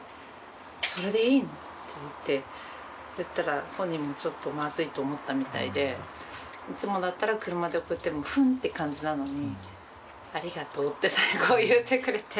それでいいの？って言ったら本人もちょっとまずいと思ったみたいでいつもだったら車で送ってもフンッて感じなのに「ありがとう」って最後言ってくれて。